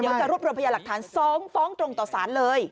จะรวบรวมพยาหลักฐาน๒ฟ้องตรงต่อสารเลย